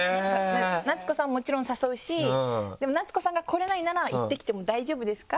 夏子さんももちろん誘うしでも夏子さんが来れないなら「行ってきても大丈夫ですか？」